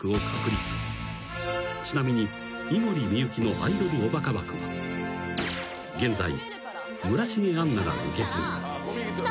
［ちなみに井森美幸のアイドルおバカ枠は現在村重杏奈が受け継ぎ］